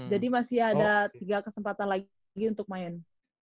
jadi masih ada tiga kesempatan lagi untuk main